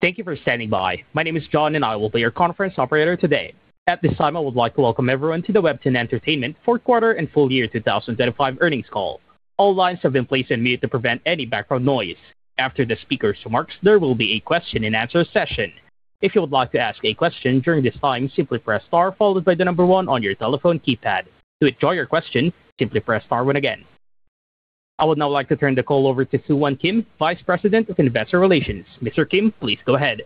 Thank you for standing by. My name is John. I will be your conference operator today. At this time, I would like to welcome everyone to the WEBTOON Entertainment Fourth Quarter and Full Year 2005 Earnings Call. All lines have been placed on mute to prevent any background noise. After the speaker's remarks, there will be a question-and-answer session. If you would like to ask a question during this time, simply press star followed by one on your telephone keypad. To withdraw your question, simply press star one again. I would now like to turn the call over to Soohwan Kim, Vice President of Investor Relations. Mr. Kim, please go ahead.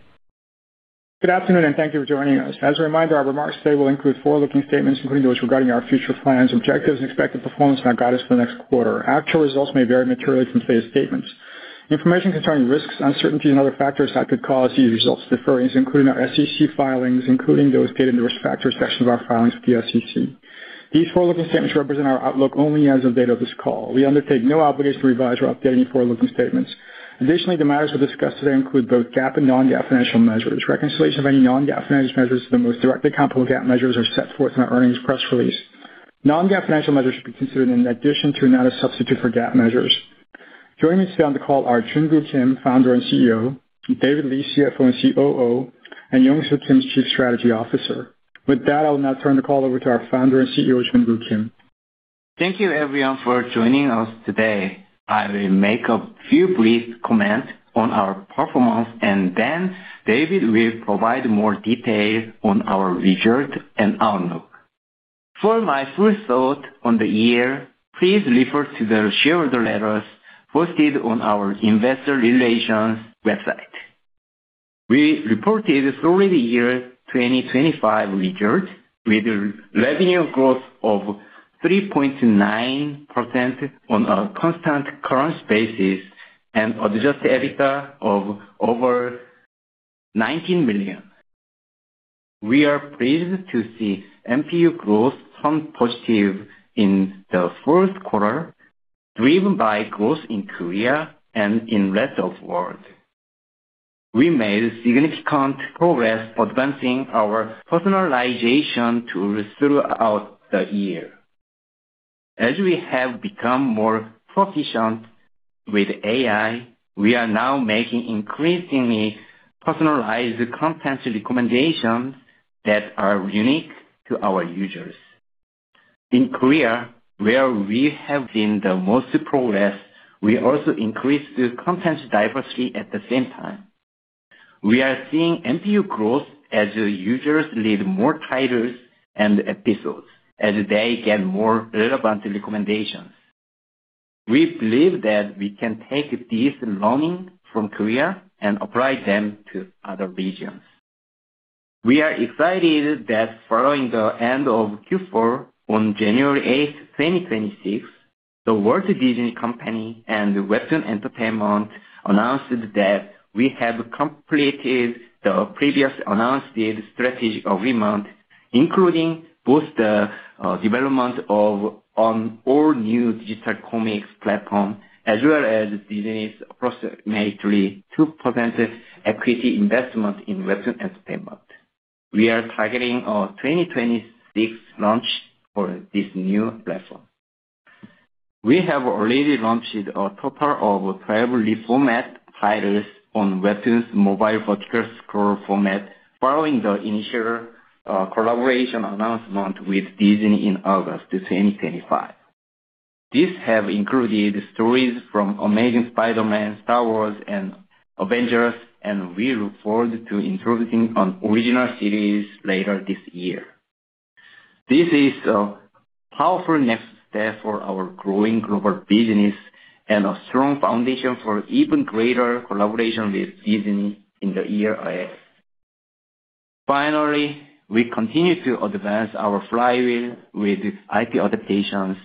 Good afternoon. Thank you for joining us. As a reminder, our remarks today will include forward-looking statements, including those regarding our future plans, objectives, and expected performance and our guidance for the next quarter. Actual results may vary materially from today's statements. Information concerning risks, uncertainties, and other factors that could cause these results to differ is including our SEC filings, including those data in the Risk Factors section of our filings with the SEC. These forward-looking statements represent our outlook only as of the date of this call. We undertake no obligation to revise or update any forward-looking statements. Additionally, the matters we discuss today include both GAAP and non-GAAP financial measures. Reconciliation of any non-GAAP financial measures to the most directly comparable GAAP measures are set forth in our earnings press release. Non-GAAP financial measures should be considered in addition to, not a substitute for GAAP measures. Joining us on the call are Junkoo Kim, Founder and CEO, David Lee, CFO and COO, and Yongsoo Kim, Chief Strategy Officer. With that, I will now turn the call over to our Founder and CEO, Junkoo Kim. Thank you everyone for joining us today. I will make a few brief comments on our performance, and then David will provide more detail on our results and outlook. For my full thought on the year, please refer to the shareholder letters posted on our Investor Relations website. We reported a solid year 2025 results with revenue growth of 3.9% on a constant currency basis and Adjusted EBITDA of over $19 million. We are pleased to see MPU growth turn positive in the fourth quarter, driven by growth in Korea and in rest of world. We made significant progress advancing our personalization tools throughout the year. As we have become more proficient with AI, we are now making increasingly personalized content recommendations that are unique to our users. In Korea, where we have seen the most progress, we also increased the content diversity at the same time. We are seeing MPU growth as users read more titles and episodes as they get more relevant recommendations. We believe that we can take this learning from Korea and apply them to other regions. We are excited that following the end of Q4, on January 8, 2026, The Walt Disney Company and WEBTOON Entertainment announced that we have completed the previously announced strategic agreement, including both the development of an all-new digital comics platform, as well as Disney's approximately 2% equity investment in WEBTOON Entertainment. We are targeting a 2026 launch for this new platform. We have already launched a total of 12 reformatted titles on WEBTOON's mobile vertical scroll format following the initial collaboration announcement with Disney in August 2025. These have included stories from Amazing Spider-Man, Star Wars, and Avengers, and we look forward to introducing an original series later this year. This is a powerful next step for our growing global business and a strong foundation for even greater collaboration with Disney in the years ahead. Finally, we continue to advance our flywheel with IP adaptations,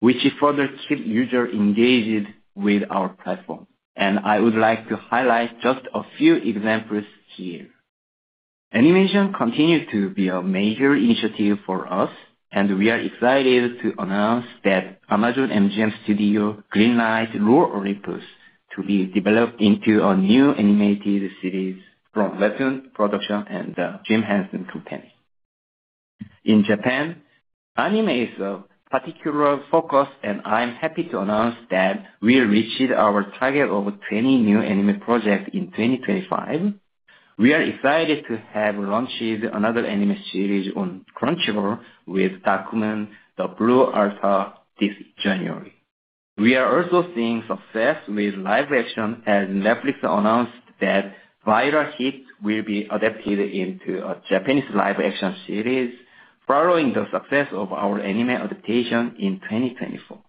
which further keep users engaged with our platform. I would like to highlight just a few examples here. Animation continues to be a major initiative for us, and we are excited to announce that Amazon MGM Studios green-lighted Lore Olympus to be developed into a new animated series from WEBTOON Productions and The Jim Henson Company. In Japan, anime is a particular focus, and I'm happy to announce that we reached our target of 20 new anime projects in 2025. We are excited to have launched another anime series on Crunchyroll with DARK MOON: THE BLOOD ALTAR this January. We are also seeing success with live action, as Netflix announced that Viral Hit will be adapted into a Japanese live action series following the success of our anime adaptation in 2024.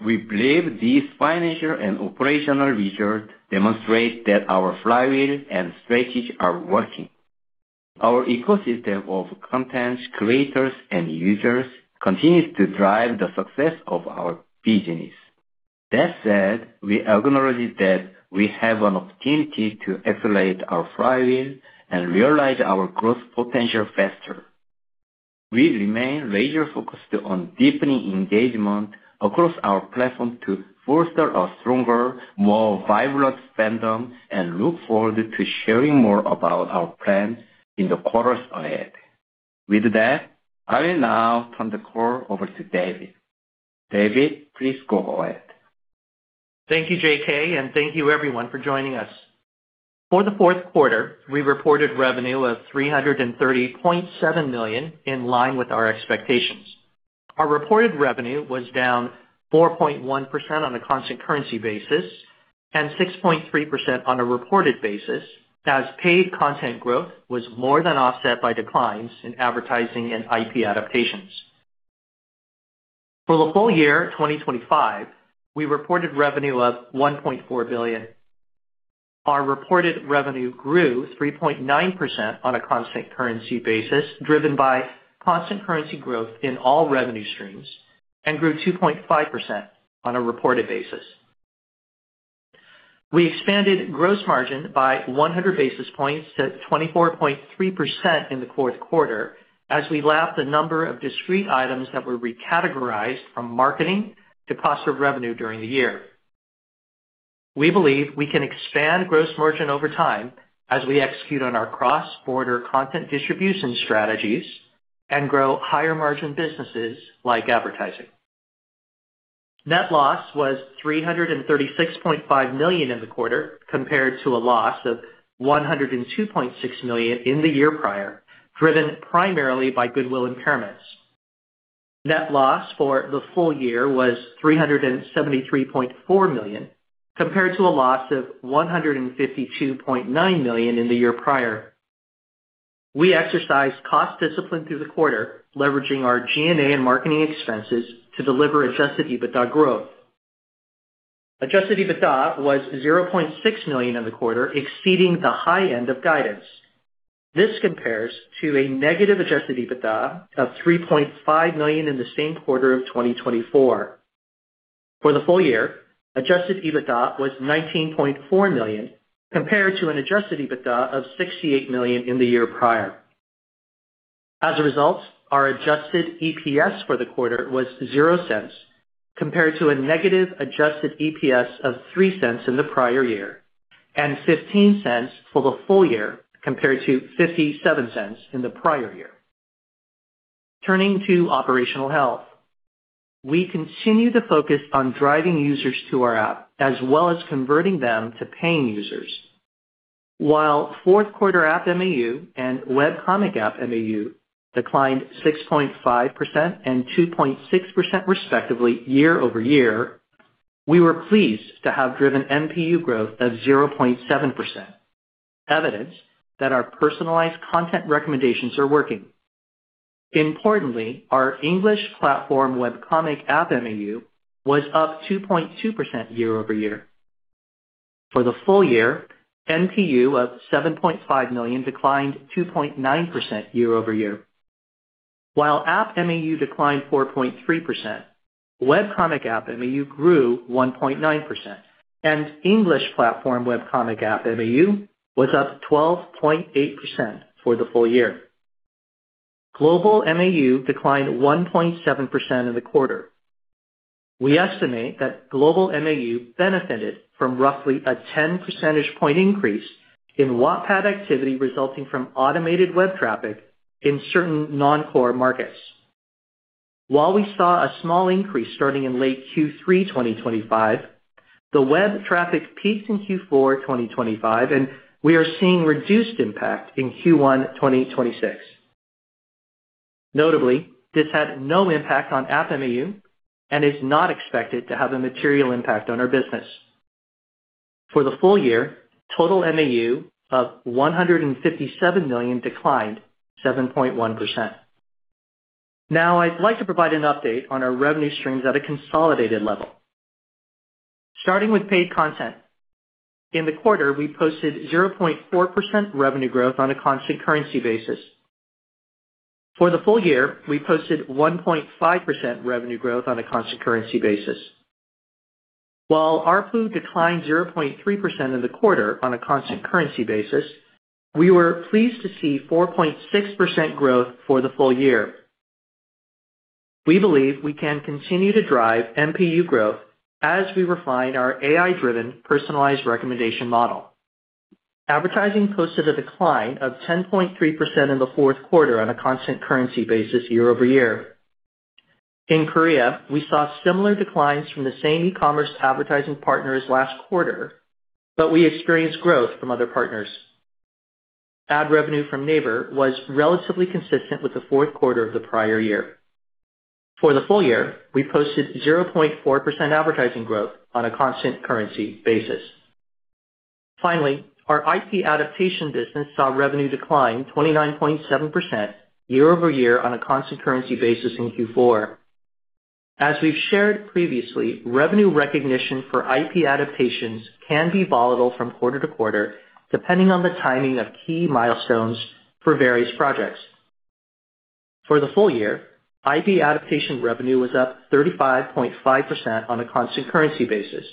We believe these financial and operational results demonstrate that our flywheel and strategies are working. Our ecosystem of content creators and users continues to drive the success of our business. That said, we acknowledge that we have an opportunity to accelerate our flywheel and realize our growth potential faster. We remain laser-focused on deepening engagement across our platform to foster a stronger, more vibrant fandom and look forward to sharing more about our plans in the quarters ahead. I will now turn the call over to David. David, please go ahead. Thank you, J.K. Thank you everyone for joining us. For the fourth quarter, we reported revenue of $330.7 million, in line with our expectations. Our reported revenue was down 4.1% on a constant currency basis and 6.3% on a reported basis as paid content growth was more than offset by declines in advertising and IP adaptations. For the full year 2025, we reported revenue of $1.4 billion. Our reported revenue grew 3.9% on a constant currency basis, driven by constant currency growth in all revenue streams and grew 2.5% on a reported basis. We expanded gross margin by 100 basis points to 24.3% in the fourth quarter as we lapped a number of discrete items that were recategorized from marketing to cost of revenue during the year. We believe we can expand gross margin over time as we execute on our cross-border content distribution strategies and grow higher margin businesses like advertising. Net loss was $336.5 million in the quarter, compared to a loss of $102.6 million in the year prior, driven primarily by goodwill impairments. Net loss for the full year was $373.4 million, compared to a loss of $152.9 million in the year prior. We exercised cost discipline through the quarter, leveraging our G&A and marketing expenses to deliver Adjusted EBITDA growth. Adjusted EBITDA was $0.6 million in the quarter, exceeding the high end of guidance. This compares to a negative Adjusted EBITDA of $3.5 million in the same quarter of 2024. For the full year, Adjusted EBITDA was $19.4 million, compared to an Adjusted EBITDA of $68 million in the year prior. As a result, our Adjusted EPS for the quarter was $0.00, compared to a negative Adjusted EPS of $0.03 in the prior year, and $0.15 for the full year, compared to $0.57 in the prior year. Turning to operational health. We continue to focus on driving users to our app as well as converting them to paying users. While fourth quarter app MAU and Webcomic app MAU declined 6.5% and 2.6%, respectively, year-over-year, we were pleased to have driven MPU growth of 0.7%, evidence that our personalized content recommendations are working. Importantly, our English platform Webcomic app MAU was up 2.2% year-over-year. For the full year, MPU of 7.5 million declined 2.9% year-over-year. While app MAU declined 4.3%, Webcomic app MAU grew 1.9%, and English platform Webcomic app MAU was up 12.8% for the full year. Global MAU declined 1.7% in the quarter. We estimate that global MAU benefited from roughly a 10 percentage point increase in Wattpad activity resulting from automated web traffic in certain non-core markets. While we saw a small increase starting in late Q3 2025, the web traffic peaked in Q4 2025, and we are seeing reduced impact in Q1 2026. Notably, this had no impact on app MAU and is not expected to have a material impact on our business. For the full year, total MAU of 157 million declined 7.1%. I'd like to provide an update on our revenue streams at a consolidated level. Starting with paid content. In the quarter, we posted 0.4% revenue growth on a constant currency basis. For the full year, we posted 1.5% revenue growth on a constant currency basis. While ARPU declined 0.3% in the quarter on a constant currency basis, we were pleased to see 4.6% growth for the full year. We believe we can continue to drive MPU growth as we refine our AI-driven personalized recommendation model. Advertising posted a decline of 10.3% in the fourth quarter on a constant currency basis year-over-year. In Korea, we saw similar declines from the same e-commerce advertising partners last quarter, but we experienced growth from other partners. Ad revenue from NAVER was relatively consistent with the fourth quarter of the prior year. For the full year, we posted 0.4% advertising growth on a constant currency basis. Finally, our IP adaptation business saw revenue decline 29.7% year-over-year on a constant currency basis in Q4. As we've shared previously, revenue recognition for IP adaptations can be volatile from quarter-to-quarter, depending on the timing of key milestones for various projects. For the full year, IP adaptation revenue was up 35.5% on a constant currency basis.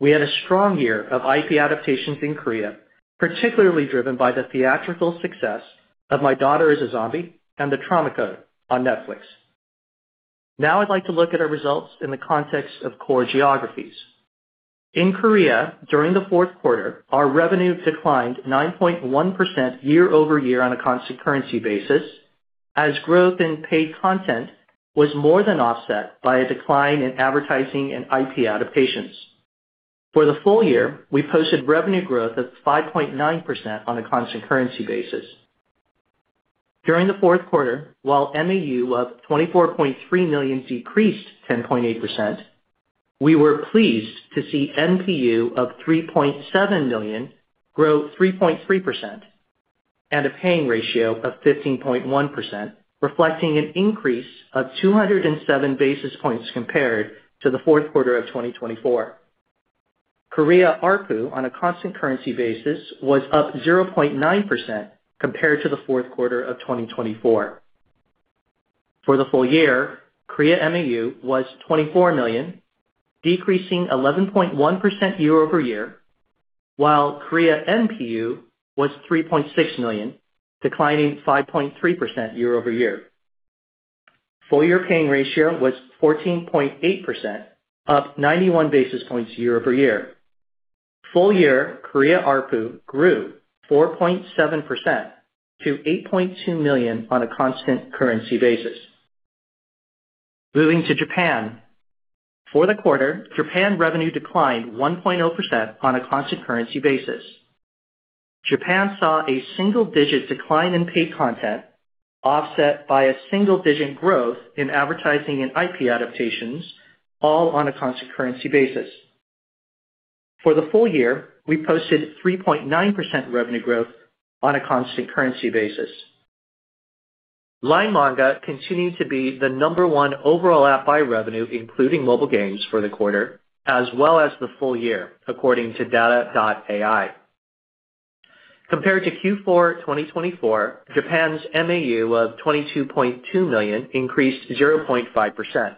We had a strong year of IP adaptations in Korea, particularly driven by the theatrical success of My Daughter is a Zombie and The Trauma Code on Netflix. Now I'd like to look at our results in the context of core geographies. In Korea, during the fourth quarter, our revenue declined 9.1% year-over-year on a constant currency basis as growth in paid content was more than offset by a decline in advertising and IP adaptations. For the full year, we posted revenue growth of 5.9% on a constant currency basis. During the fourth quarter, while MAU of 24.3 million decreased 10.8%, we were pleased to see MPU of 3.7 million grow 3.3% and a paying ratio of 15.1%, reflecting an increase of 207 basis points compared to the fourth quarter of 2024. Korea ARPU on a constant currency basis was up 0.9% compared to the fourth quarter of 2024. For the full year, Korea MAU was 24 million, decreasing 11.1% year-over-year, while Korea MPU was 3.6 million, declining 5.3% year-over-year. Full year paying ratio was 14.8%, up 91 basis points year-over-year. Full year Korea ARPU grew 4.7% to 8.2 million on a constant currency basis. Moving to Japan. For the quarter, Japan revenue declined 1.0% on a constant currency basis. Japan saw a single-digit decline in paid content, offset by a single-digit growth in advertising and IP adaptations, all on a constant currency basis. For the full year, we posted 3.9% revenue growth on a constant currency basis. LINE Manga continued to be the number one overall app by revenue, including mobile games for the quarter as well as the full year, according to data.ai. Compared to Q4 2024, Japan's MAU of 22.2 million increased 0.5%.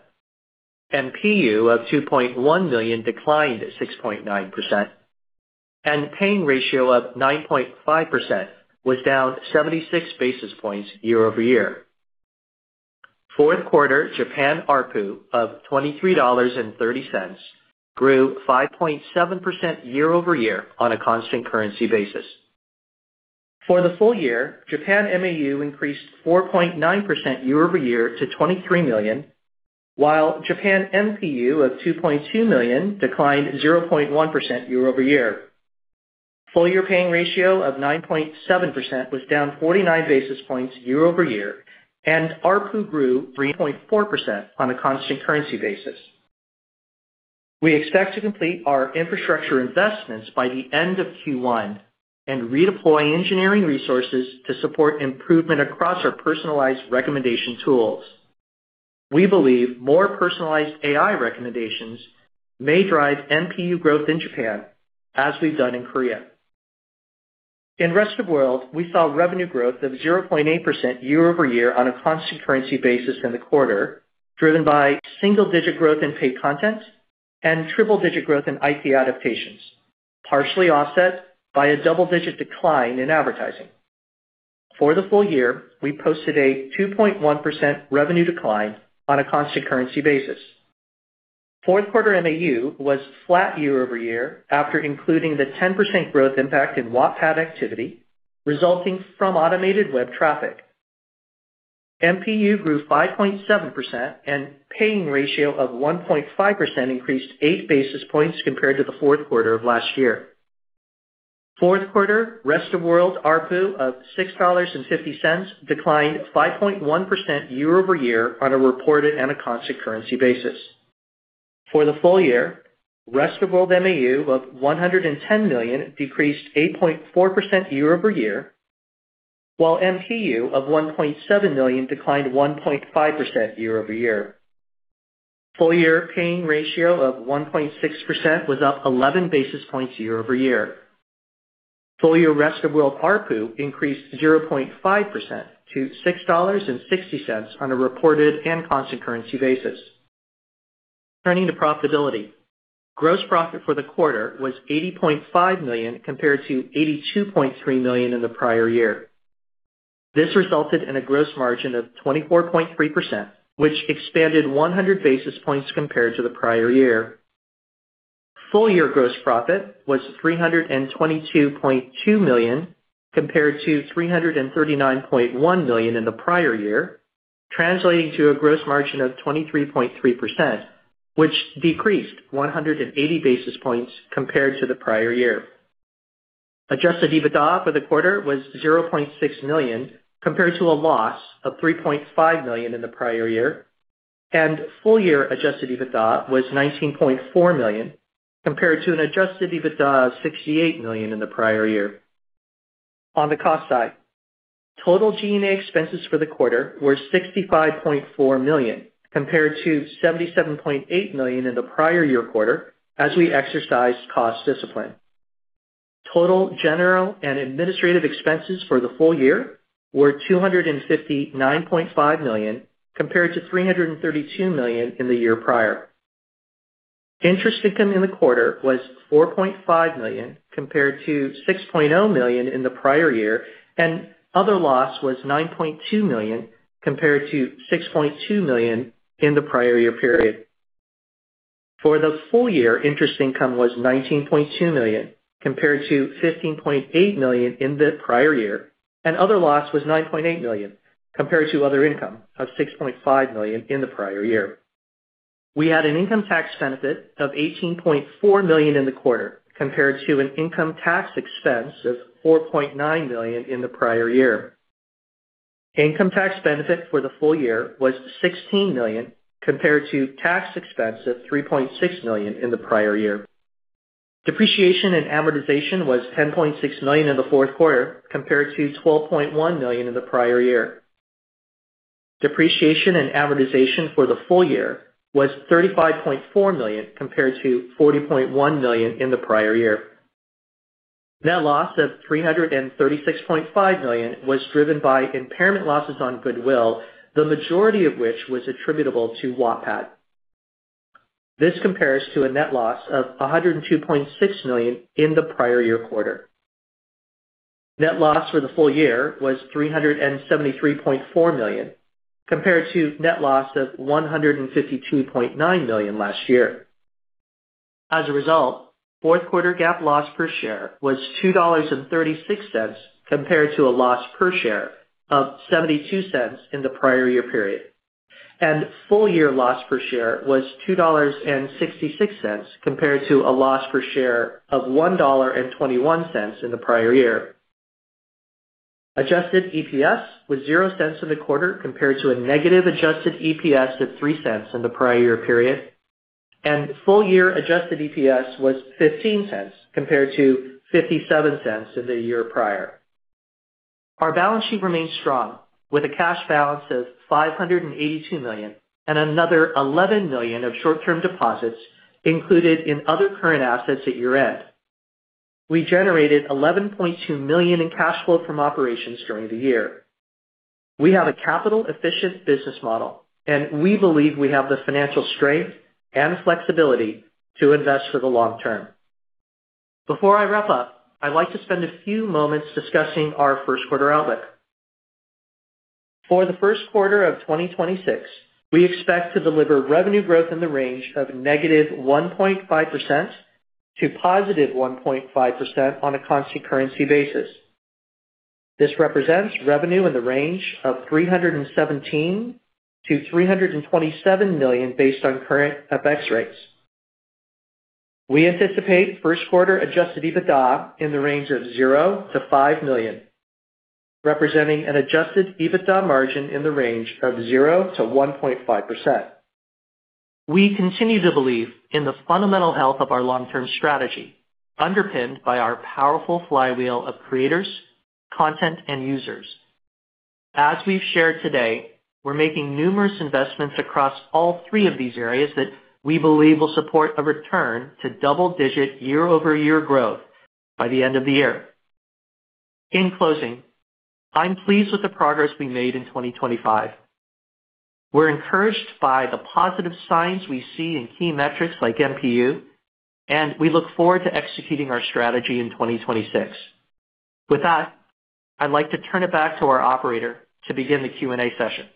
MPU of 2.1 million declined 6.9%, and paying ratio of 9.5% was down 76 basis points year-over-year. Fourth quarter Japan ARPU of $23.30 grew 5.7% year-over-year on a constant currency basis. For the full year, Japan MAU increased 4.9% year-over-year to 23 million, while Japan MPU of 2.2 million declined 0.1% year-over-year. Full year paying ratio of 9.7% was down 49 basis points year-over-year, and ARPU grew 3.4% on a constant currency basis. We expect to complete our infrastructure investments by the end of Q1 and redeploy engineering resources to support improvement across our personalized recommendation tools. We believe more personalized AI recommendations may drive MPU growth in Japan as we've done in Korea. In rest of world, we saw revenue growth of 0.8% year-over-year on a constant currency basis in the quarter, driven by single-digit growth in paid content and triple-digit growth in IP adaptations, partially offset by a double-digit decline in advertising. For the full year, we posted a 2.1% revenue decline on a constant currency basis. Fourth quarter MAU was flat year-over-year after including the 10% growth impact in Wattpad activity resulting from automated web traffic. MPU grew 5.7% and paying ratio of 1.5% increased 8 basis points compared to the fourth quarter of last year. Fourth quarter rest of world ARPU of $6.50 declined 5.1% year-over-year on a reported and a constant currency basis. For the full year, rest of world MAU of 110 million decreased 8.4% year-over-year, while MPU of 1.7 million declined 1.5% year-over-year. Full year paying ratio of 1.6% was up 11 basis points year-over-year. Full year rest of world ARPU increased 0.5% to $6.60 on a reported and constant currency basis. Turning to profitability. Gross profit for the quarter was $80.5 million compared to $82.3 million in the prior year. This resulted in a gross margin of 24.3%, which expanded 100 basis points compared to the prior year. Full year gross profit was $322.2 million compared to $339.1 million in the prior year, translating to a gross margin of 23.3%, which decreased 180 basis points compared to the prior year. Adjusted EBITDA for the quarter was $0.6 million compared to a loss of $3.5 million in the prior year, full year Adjusted EBITDA was $19.4 million compared to an Adjusted EBITDA of $68 million in the prior year. On the cost side, total G&A expenses for the quarter were $65.4 million compared to $77.8 million in the prior year quarter as we exercised cost discipline. Total general and administrative expenses for the full year were $259.5 million compared to $332 million in the year prior. Interest income in the quarter was $4.5 million compared to $6.0 million in the prior year, and other loss was $9.2 million compared to $6.2 million in the prior year period. For the full year, interest income was $19.2 million, compared to $15.8 million in the prior year, and other loss was $9.8 million, compared to other income of $6.5 million in the prior year. We had an income tax benefit of $18.4 million in the quarter, compared to an income tax expense of $4.9 million in the prior year. Income tax benefit for the full year was $16 million compared to tax expense of $3.6 million in the prior year. Depreciation and amortization was $10.6 million in the fourth quarter compared to $12.1 million in the prior year. Depreciation and amortization for the full year was $35.4 million compared to $40.1 million in the prior year. Net loss of $336.5 million was driven by impairment losses on goodwill, the majority of which was attributable to Wattpad. This compares to a net loss of $102.6 million in the prior year quarter. Net loss for the full year was $373.4 million, compared to net loss of $152.9 million last year. As a result, fourth quarter GAAP loss per share was $2.36, compared to a loss per share of $0.72 in the prior year period. Full year loss per share was $2.66, compared to a loss per share of $1.21 in the prior year. Adjusted EPS was $0.00 in the quarter compared to a negative Adjusted EPS of $0.03 in the prior year period. Full year Adjusted EPS was $0.15 compared to $0.57 in the year prior. Our balance sheet remains strong with a cash balance of $582 million and another $11 million of short-term deposits included in other current assets at year-end. We generated $11.2 million in cash flow from operations during the year. We have a capital efficient business model, and we believe we have the financial strength and flexibility to invest for the long term. Before I wrap up, I'd like to spend a few moments discussing our first quarter outlook. For the first quarter of 2026, we expect to deliver revenue growth in the range of -1.5% to +1.5% on a constant currency basis. This represents revenue in the range of $317 million-$327 million based on current FX rates. We anticipate first quarter Adjusted EBITDA in the range of $0-$5 million, representing an Adjusted EBITDA margin in the range of 0%-1.5%. We continue to believe in the fundamental health of our long-term strategy, underpinned by our powerful flywheel of creators, content, and users. As we've shared today, we're making numerous investments across all three of these areas that we believe will support a return to double-digit year-over-year growth by the end of the year. In closing, I'm pleased with the progress we made in 2025. We're encouraged by the positive signs we see in key metrics like MPU, and we look forward to executing our strategy in 2026. With that, I'd like to turn it back to our operator to begin the Q&A session.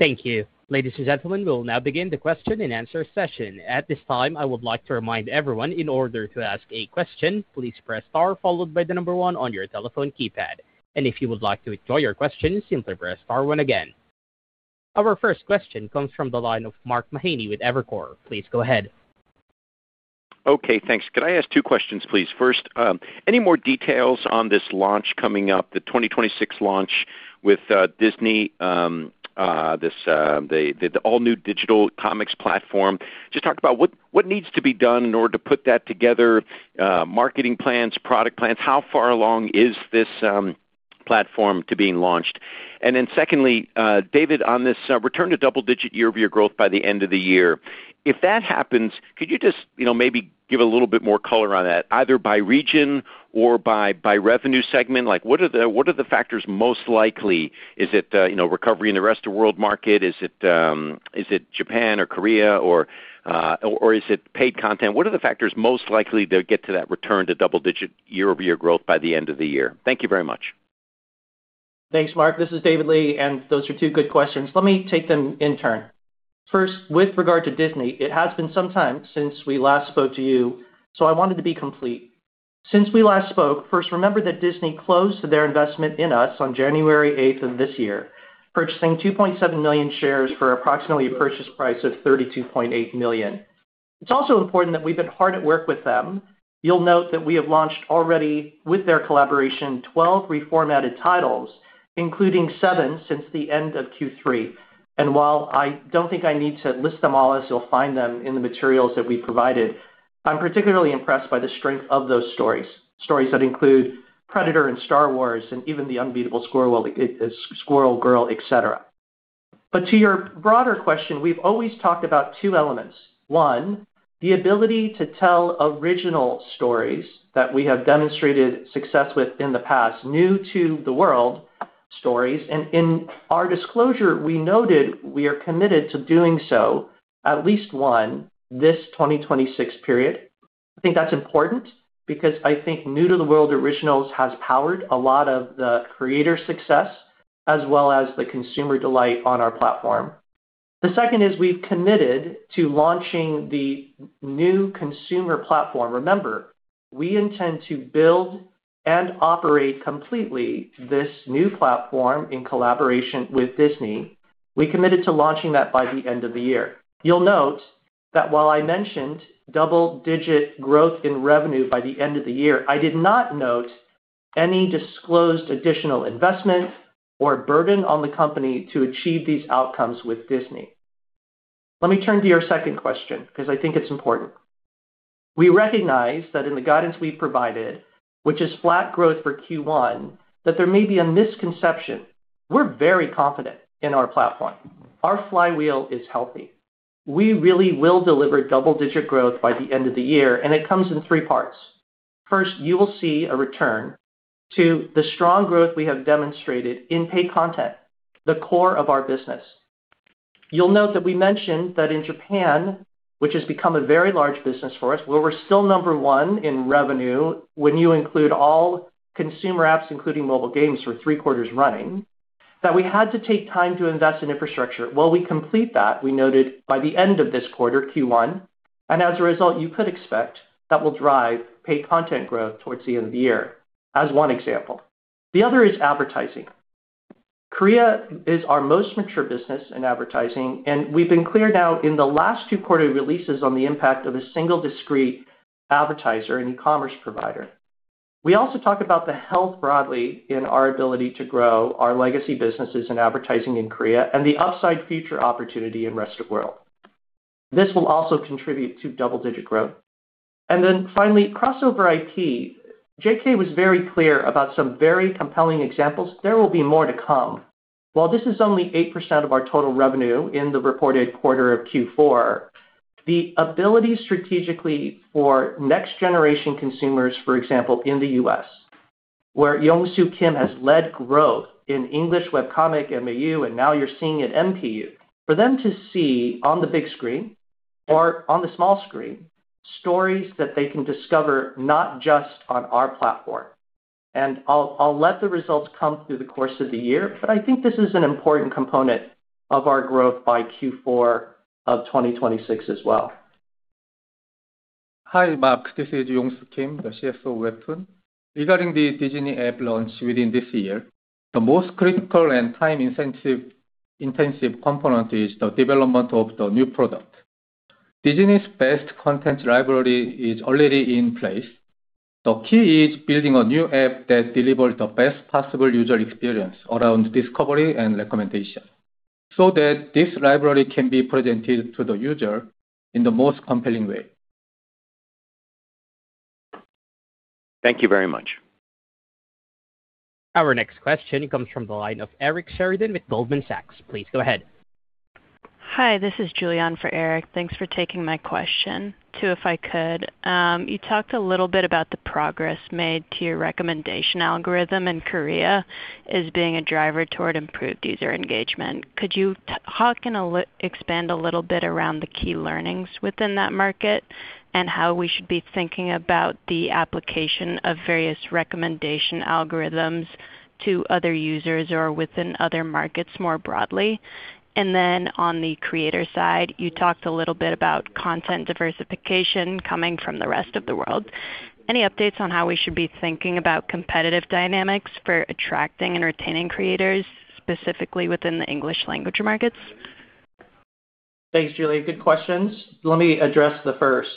Thank you. Ladies, and gentlemen, we'll now begin the question-and-answer session. At this time, I would like to remind everyone in order to ask a question, please press star followed by the number one on your telephone keypad. If you would like to withdraw your question, simply press Star one again. Our first question comes from the line of Mark Mahaney with Evercore. Please go ahead. Okay, thanks. Could I ask two questions, please? First, any more details on this launch coming up, the 2026 launch with Disney, this, the all-new digital comics platform. Just talk about what needs to be done in order to put that together, marketing plans, product plans. How far along is this platform to being launched? Secondly, David, on this return to double-digit year-over-year growth by the end of the year. If that happens, could you just, you know, maybe give a little bit more color on that, either by region or by revenue segment? Like, what are the factors most likely? Is it, you know, recovery in the rest of world market? Is it Japan or Korea or is it paid content? What are the factors most likely to get to that return to double-digit year-over-year growth by the end of the year? Thank you very much. Thanks, Mark. This is David Lee. Those are two good questions. Let me take them in turn. First, with regard to Disney, it has been some time since we last spoke to you. I wanted to be complete. Since we last spoke, first, remember that Disney closed their investment in us on January 8th of this year, purchasing 2.7 million shares for approximately a purchase price of $32.8 million. It's also important that we've been hard at work with them. You'll note that we have launched already with their collaboration 12 reformatted titles, including seven since the end of Q3. While I don't think I need to list them all, as you'll find them in the materials that we provided, I'm particularly impressed by the strength of those stories. Stories that include Predator and Star Wars and even The Unbeatable Squirrel Girl, et cetera. To your broader question, we've always talked about two elements. One, the ability to tell original stories that we have demonstrated success with in the past, new to the world stories. In our disclosure, we noted we are committed to doing so at least one this 2026 period. I think that's important because I think new to the world originals has powered a lot of the creator success as well as the consumer delight on our platform. The second is we've committed to launching the new consumer platform. Remember, we intend to build and operate completely this new platform in collaboration with Disney. We committed to launching that by the end of the year. You'll note that while I mentioned double-digit growth in revenue by the end of the year, I did not note any disclosed additional investment or burden on the company to achieve these outcomes with Disney. Let me turn to your second question because I think it's important. We recognize that in the guidance we've provided, which is flat growth for Q1, that there may be a misconception. We're very confident in our platform. Our flywheel is healthy. We really will deliver double-digit growth by the end of the year, and it comes in three parts. First, you will see a return to the strong growth we have demonstrated in paid content, the core of our business. You'll note that we mentioned that in Japan, which has become a very large business for us, where we're still number one in revenue when you include all consumer apps, including mobile games for three quarters running, that we had to take time to invest in infrastructure. While we complete that, we noted by the end of this quarter, Q1, and as a result, you could expect that will drive paid content growth towards the end of the year as one example. The other is advertising. Korea is our most mature business in advertising, and we've been clear now in the last two quarter releases on the impact of a single discrete advertiser and e-commerce provider. We also talk about the health broadly in our ability to grow our legacy businesses in advertising in Korea and the upside future opportunity in rest of world. This will also contribute to double-digit growth. Finally, crossover IP. J.K. was very clear about some very compelling examples. There will be more to come. While this is only 8% of our total revenue in the reported quarter of Q4, the ability strategically for next-generation consumers, for example, in the U.S., where Yongsoo Kim has led growth in English webcomic, MAU, and now you're seeing it MPU, for them to see on the big screen or on the small screen stories that they can discover not just on our platform. I'll let the results come through the course of the year, but I think this is an important component of our growth by Q4 of 2026 as well. Hi, Mark. This is Yongsoo Kim, the CSO of WEBTOON. Regarding the Disney app launch within this year, the most critical and time intensive component is the development of the new product. Disney's best content library is already in place. The key is building a new app that delivers the best possible user experience around discovery and recommendation so that this library can be presented to the user in the most compelling way. Thank you very much. Our next question comes from the line of Eric Sheridan with Goldman Sachs. Please go ahead. Hi, this is Julianne for Eric. Thanks for taking my question. Two, if I could. You talked a little bit about the progress made to your recommendation algorithm in Korea as being a driver toward improved user engagement. Could you expand a little bit around the key learnings within that market and how we should be thinking about the application of various recommendation algorithms to other users or within other markets more broadly? Then on the creator side, you talked a little bit about content diversification coming from the rest of the world. Any updates on how we should be thinking about competitive dynamics for attracting and retaining creators, specifically within the English language markets? Thanks, Julianne. Good questions. Let me address the first.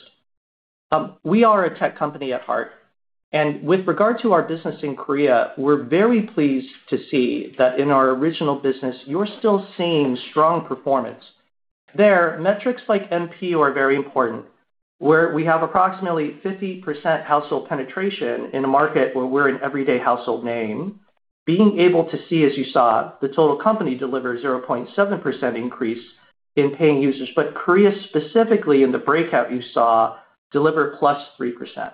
We are a tech company at heart. With regard to our business in Korea, we're very pleased to see that in our original business, you're still seeing strong performance. There, metrics like MP are very important, where we have approximately 50% household penetration in a market where we're an everyday household name. Being able to see, as you saw, the total company deliver 0.7% increase in paying users. Korea specifically in the breakout you saw deliver +3%.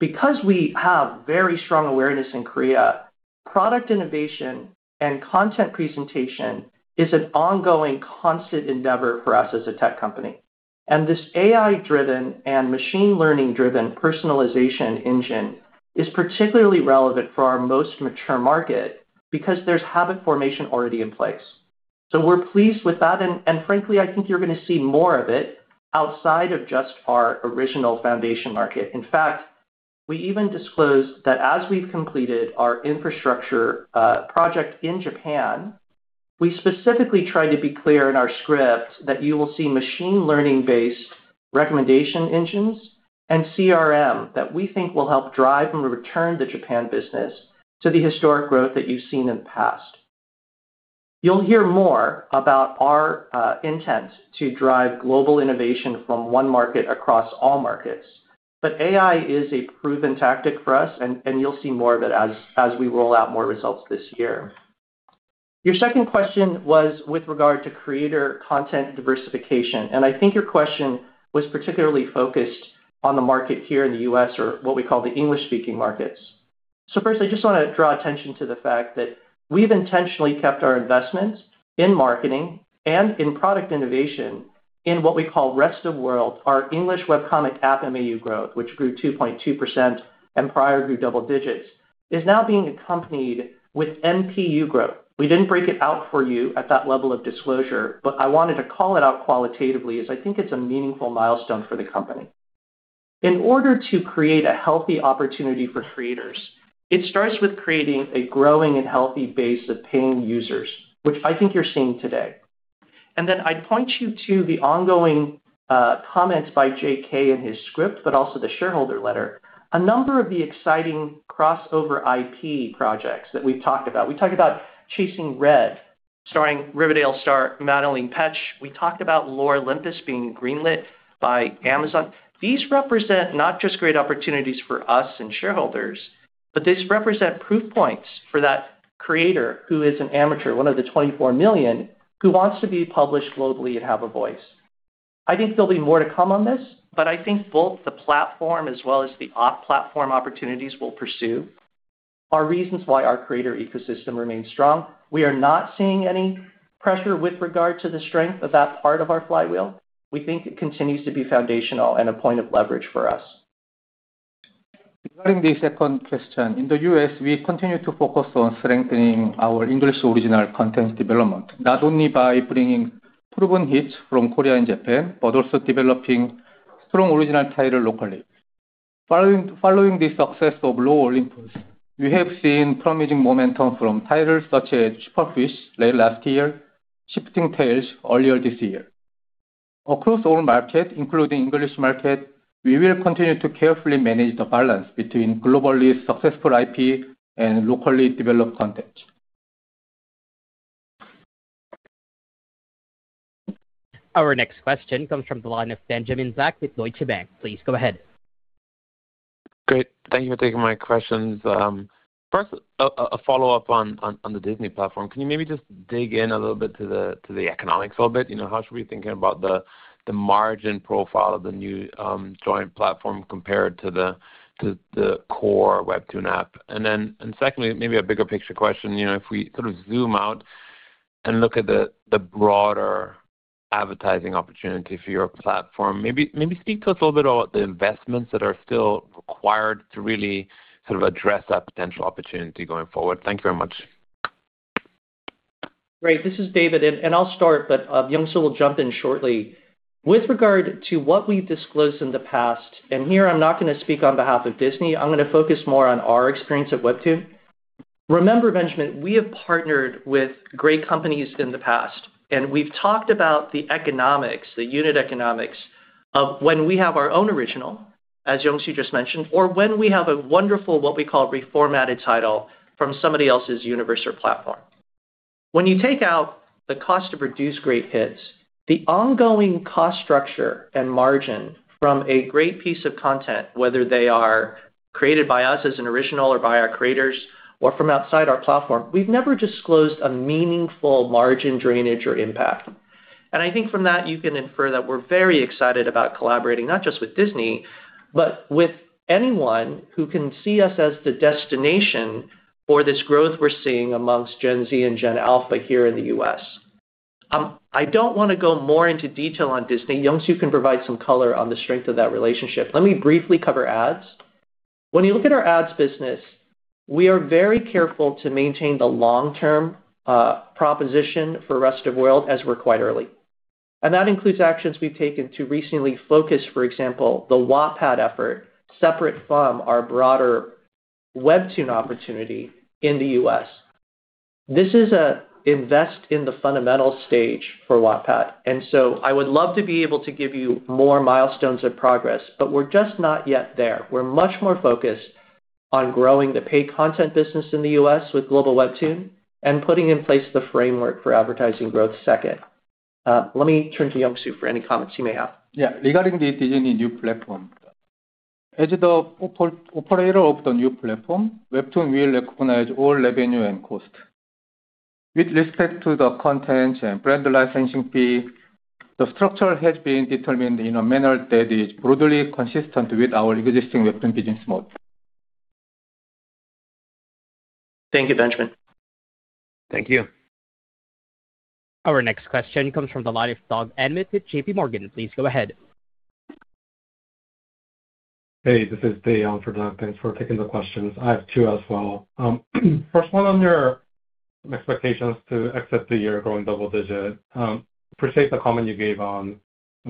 We have very strong awareness in Korea, product innovation and content presentation is an ongoing constant endeavor for us as a tech company. This AI-driven and machine learning-driven personalization engine is particularly relevant for our most mature market because there's habit formation already in place. We're pleased with that, and frankly, I think you're gonna see more of it outside of just our original foundation market. In fact, we even disclosed that as we've completed our infrastructure project in Japan, we specifically try to be clear in our script that you will see machine learning-based recommendation engines and CRM that we think will help drive and return the Japan business to the historic growth that you've seen in the past. You'll hear more about our intent to drive global innovation from one market across all markets. AI is a proven tactic for us and you'll see more of it as we roll out more results this year. Your second question was with regard to creator content diversification, and I think your question was particularly focused on the market here in the U.S. or what we call the English-speaking markets. First, I just wanna draw attention to the fact that we've intentionally kept our investments in marketing and in product innovation in what we call rest of world. Our English Webcomic app MAU growth, which grew 2.2% and prior grew double digits, is now being accompanied with MPU growth. We didn't break it out for you at that level of disclosure, but I wanted to call it out qualitatively as I think it's a meaningful milestone for the company. In order to create a healthy opportunity for creators, it starts with creating a growing and healthy base of paying users, which I think you're seeing today. I'd point you to the ongoing comments by J.K. in his script, but also the shareholder letter. A number of the exciting crossover IP projects that we've talked about. We talked about Chasing Red, starring Riverdale star Madelaine Petsch. We talked about Lore Olympus being greenlit by Amazon. These represent not just great opportunities for us and shareholders, but this represent proof points for that creator who is an amateur, one of the 24 million, who wants to be published globally and have a voice. I think there'll be more to come on this, but I think both the platform as well as the off-platform opportunities we'll pursue are reasons why our creator ecosystem remains strong. We are not seeing any pressure with regard to the strength of that part of our flywheel. We think it continues to be foundational and a point of leverage for us. Regarding the second question, in the U.S., we continue to focus on strengthening our English original content development, not only by bringing proven hits from Korea and Japan, but also developing strong original title locally. Following the success of Lore Olympus, we have seen promising momentum from titles such as Superfish late last year, Shifting Tails earlier this year. Across all markets, including English market, we will continue to carefully manage the balance between globally successful IP and locally developed content. Our next question comes from the line of Benjamin Black with Deutsche Bank. Please go ahead. Great. Thank you for taking my questions. First, a follow-up on the Disney platform. Can you maybe just dig in a little bit to the economics a little bit? You know, how should we be thinking about the margin profile of the new joint platform compared to the core WEBTOON app? Secondly, maybe a bigger picture question. You know, if we sort of zoom out and look at the broader advertising opportunity for your platform, maybe speak to us a little bit about the investments that are still required to really sort of address that potential opportunity going forward. Thank you very much. Great. This is David, and I'll start, but Yongsoo will jump in shortly. With regard to what we've disclosed in the past, and here I'm not gonna speak on behalf of Disney, I'm gonna focus more on our experience at WEBTOON. Remember, Benjamin, we have partnered with great companies in the past, and we've talked about the economics, the unit economics of when we have our own original, as Yongsoo just mentioned, or when we have a wonderful, what we call reformatted title from somebody else's universe or platform. When you take out the cost of reduced great hits, the ongoing cost structure and margin from a great piece of content, whether they are created by us as an original or by our creators or from outside our platform, we've never disclosed a meaningful margin drainage or impact. I think from that you can infer that we're very excited about collaborating, not just with Disney, but with anyone who can see us as the destination for this growth we're seeing amongst Gen Z and Gen Alpha here in the U.S. I don't wanna go more into detail on Disney. Yongsoo can provide some color on the strength of that relationship. Let me briefly cover ads. When you look at our ads business, we are very careful to maintain the long-term proposition for rest of world as we're quite early, and that includes actions we've taken to recently focus, for example, the Wattpad effort separate from our broader WEBTOON opportunity in the U.S. This is a invest in the fundamental stage for Wattpad, I would love to be able to give you more milestones of progress, we're just not yet there. We're much more focused on growing the paid content business in the U.S. with global WEBTOON and putting in place the framework for advertising growth second. Let me turn to Yongsoo for any comments he may have. Yeah. Regarding the Disney new platform, as the operator of the new platform, WEBTOON will recognize all revenue and cost. With respect to the content and brand licensing fee, the structure has been determined in a manner that is broadly consistent with our existing WEBTOON business mode. Thank you, Benjamin. Thank you. Our next question comes from the line of Doug Anmuth with JPMorgan. Please go ahead. Hey, this is Dion for Doug Anmuth. Thanks for taking the questions. I have two as well. First one on your expectations to exit the year growing double-digit. Appreciate the comment you gave on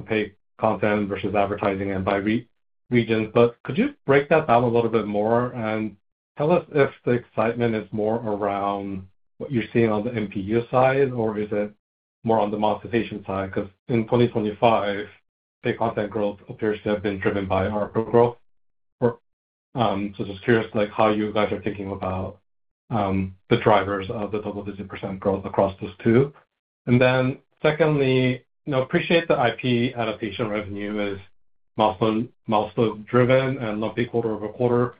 paid content versus advertising and by region. Could you break that down a little bit more and tell us if the excitement is more around what you're seeing on the MPU side, or is it more on the monetization side? In 2025, paid content growth appears to have been driven by ARPD growth. Just curious like how you guys are thinking about the drivers of the double-digit % growth across those two. Secondly, you know, appreciate the IP adaptation revenue is milestone driven and not pay quarter-over-quarter.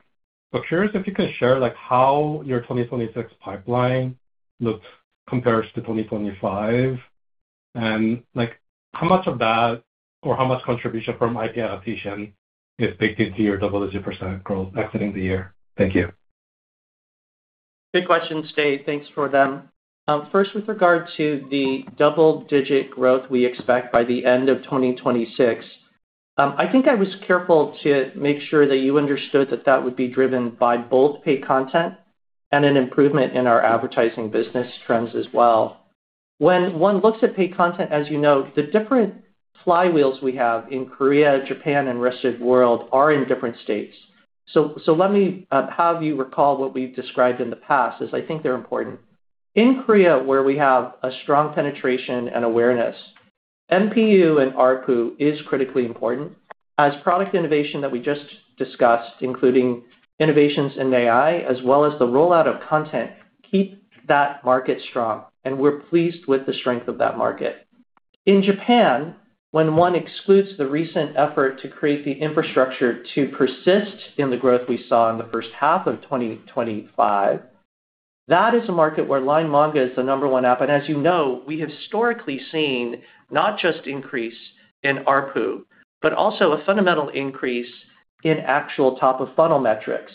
Curious if you can share like how your 2026 pipeline looks compared to 2025? How much of that, or how much contribution from IP adaptation is baked into your double-digit % growth exiting the year? Thank you. Good question, Dion. Thanks for them. First, with regard to the double-digit growth we expect by the end of 2026, I think I was careful to make sure that you understood that that would be driven by both paid content and an improvement in our advertising business trends as well. When one looks at paid content, as you know, the different flywheels we have in Korea, Japan, and rest of world are in different states. Let me have you recall what we've described in the past, as I think they're important. In Korea, where we have a strong penetration and awareness, MPU and ARPU is critically important as product innovation that we just discussed, including innovations in AI, as well as the rollout of content, keep that market strong, and we're pleased with the strength of that market. In Japan, when one excludes the recent effort to create the infrastructure to persist in the growth we saw in the first half of 2025, that is a market where LINE Manga is the number one app. As you know, we have historically seen not just increase in ARPU, but also a fundamental increase in actual top of funnel metrics.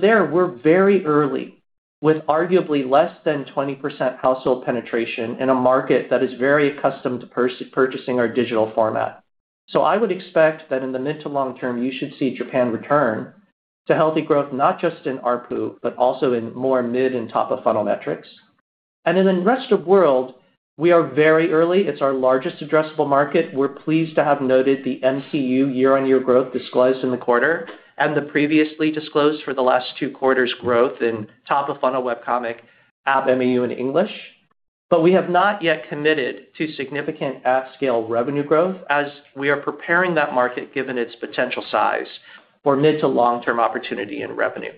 There we're very early with arguably less than 20% household penetration in a market that is very accustomed to purchasing our digital format. I would expect that in the mid to long term, you should see Japan return to healthy growth, not just in ARPU, but also in more mid and top of funnel metrics. In the rest of world we are very early. It's our largest addressable market. We're pleased to have noted the MAU year-on-year growth disclosed in the quarter and the previously disclosed for the last two quarters growth in top of funnel web comic app MAU in English. We have not yet committed to significant at-scale revenue growth as we are preparing that market, given its potential size for mid to long-term opportunity and revenue.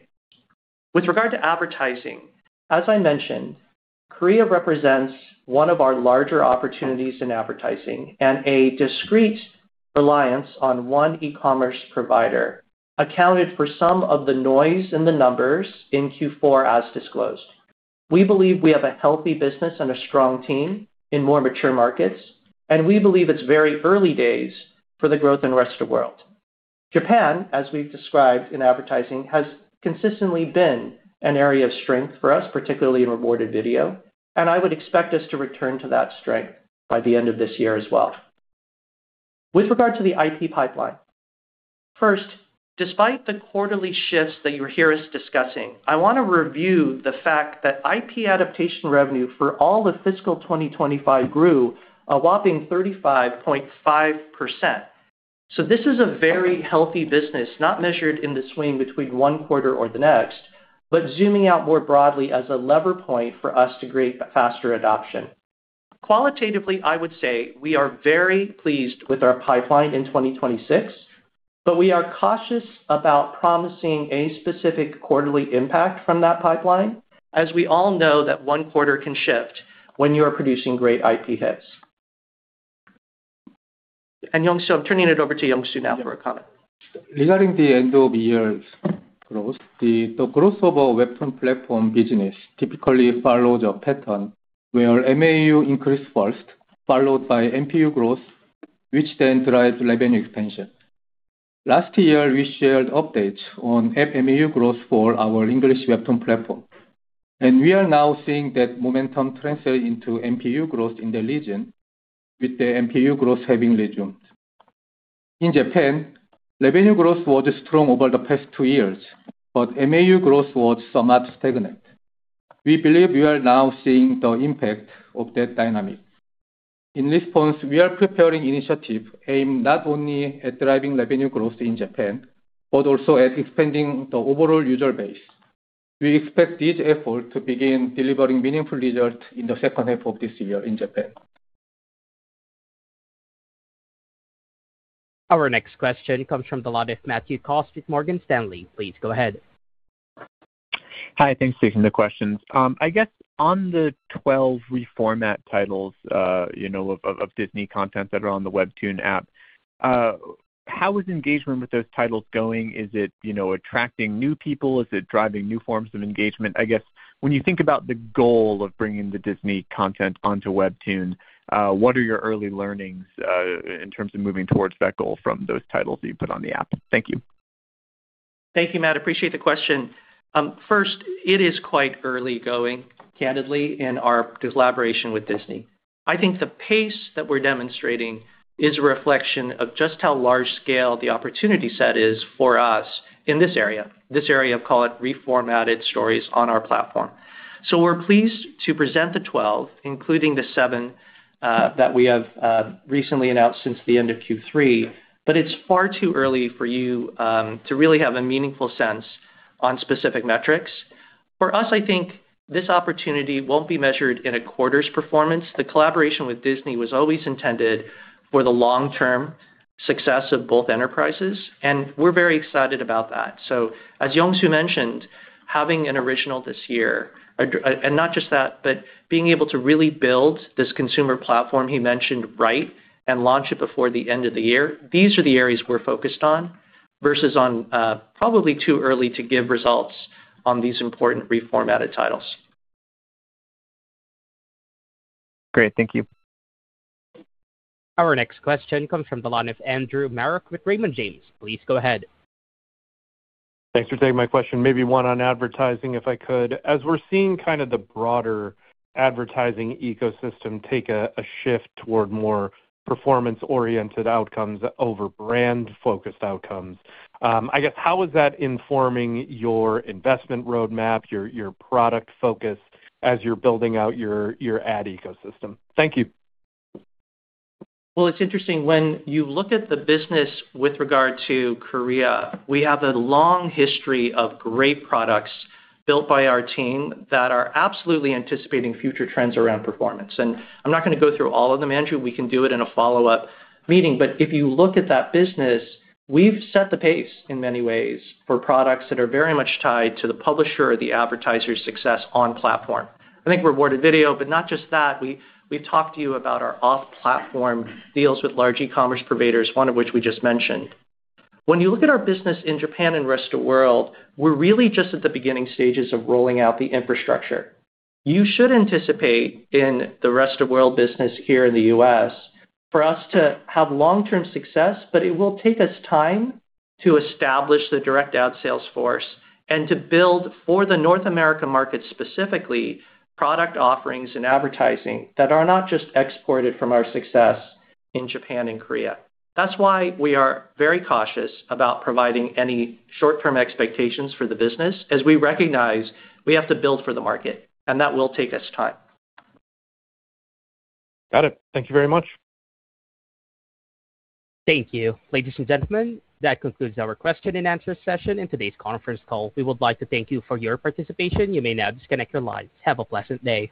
With regard to advertising, as I mentioned, Korea represents one of our larger opportunities in advertising, and a discrete reliance on one e-commerce provider accounted for some of the noise in the numbers in Q4 as disclosed. We believe we have a healthy business and a strong team in more mature markets, and we believe it's very early days for the growth in rest of world. Japan, as we've described in advertising, has consistently been an area of strength for us, particularly in rewarded video, and I would expect us to return to that strength by the end of this year as well. With regard to the IP pipeline, first, despite the quarterly shifts that you hear us discussing, I wanna review the fact that IP adaptation revenue for all of fiscal 2025 grew a whopping 35.5%. This is a very healthy business, not measured in the swing between one quarter or the next, but zooming out more broadly as a lever point for us to create faster adoption. Qualitatively, I would say we are very pleased with our pipeline in 2026, but we are cautious about promising any specific quarterly impact from that pipeline, as we all know that one quarter can shift when you are producing great IP hits. Yongsoo, I'm turning it over to Yongsoo now for a comment. Regarding the end of year's growth, the growth of our WEBTOON platform business typically follows a pattern where MAU increase first, followed by MPU growth, which then drives revenue expansion. Last year, we shared updates on app MAU growth for our English WEBTOON platform, and we are now seeing that momentum transfer into MPU growth in the region, with the MPU growth having resumed. In Japan, revenue growth was strong over the past two years, MAU growth was somewhat stagnant. We believe we are now seeing the impact of that dynamic. In response, we are preparing initiatives aimed not only at driving revenue growth in Japan, but also at expanding the overall user base. We expect this effort to begin delivering meaningful results in the second half of this year in Japan. Our next question comes from the line of Matthew Cost with Morgan Stanley. Please go ahead. Hi. Thanks for taking the questions. I guess on the 12 reformat titles, you know, of Disney content that are on the WEBTOON app, how is engagement with those titles going? Is it, you know, attracting new people? Is it driving new forms of engagement? I guess when you think about the goal of bringing the Disney content onto WEBTOON, what are your early learnings in terms of moving towards that goal from those titles that you put on the app? Thank you. Thank you, Matt. Appreciate the question. First, it is quite early going, candidly, in our collaboration with Disney. I think the pace that we're demonstrating is a reflection of just how large scale the opportunity set is for us in this area, call it reformatted stories on our platform. We're pleased to present the 12, including the seven, that we have recently announced since the end of Q3, but it's far too early for you to really have a meaningful sense on specific metrics. For us, I think this opportunity won't be measured in a quarter's performance. The collaboration with Disney was always intended for the long-term success of both enterprises, and we're very excited about that. As Yongsoo mentioned, having an original this year, and not just that, but being able to really build this consumer platform he mentioned right and launch it before the end of the year, these are the areas we're focused on versus on, probably too early to give results on these important reformatted titles. Great. Thank you. Our next question comes from the line of Andrew Marok with Raymond James. Please go ahead. Thanks for taking my question. Maybe one on advertising, if I could. As we're seeing kind of the broader advertising ecosystem take a shift toward more performance-oriented outcomes over brand-focused outcomes, I guess how is that informing your investment roadmap, your product focus as you're building out your ad ecosystem? Thank you. Well, it's interesting. When you look at the business with regard to Korea, we have a long history of great products built by our team that are absolutely anticipating future trends around performance. I'm not gonna go through all of them, Andrew. We can do it in a follow-up meeting. If you look at that business, we've set the pace in many ways for products that are very much tied to the publisher or the advertiser's success on platform. I think rewarded video, but not just that. We've talked to you about our off-platform deals with large e-commerce purveyors, one of which we just mentioned. When you look at our business in Japan and rest of world, we're really just at the beginning stages of rolling out the infrastructure. You should anticipate in the rest of world business here in the U.S. for us to have long-term success, but it will take us time to establish the direct out sales force and to build for the North America market, specifically, product offerings and advertising that are not just exported from our success in Japan and Korea. We are very cautious about providing any short-term expectations for the business, as we recognize we have to build for the market, and that will take us time. Got it. Thank you very much. Thank you. Ladies, and gentlemen, that concludes our question and answer session and today's conference call. We would like to thank you for your participation. You may now disconnect your lines. Have a pleasant day.